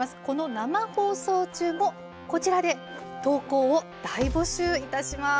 生放送中もこちらで投稿を大募集いたします。